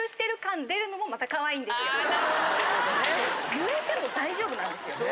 濡れても大丈夫なんですよ。